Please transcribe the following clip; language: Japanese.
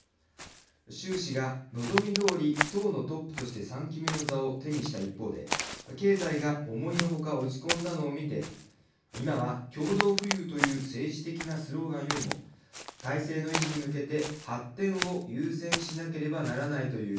習氏が望みどおり党のトップとして３期目の座を手にした一方で経済が思いのほか落ち込んだのを見て今は、共同富裕という政治的なスローガンよりも体勢の維持に向けて発展を優先しなければならないという。